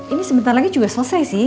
ini sebentar lagi juga selesai sih